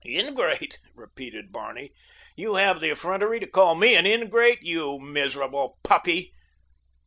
"Ingrate?" repeated Barney. "You have the effrontery to call me an ingrate? You miserable puppy."